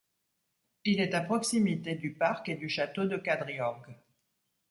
Il est à proximité du parc et du Château de Kadriorg.